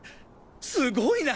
すごいな。